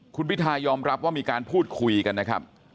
คุณพิทายอมรับว่ามีการพูดคุยกันนะครับ